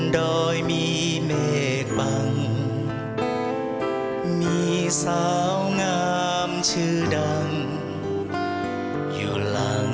ต่อใหม่บ้านผมมีความกลัวจริงกว่ามาก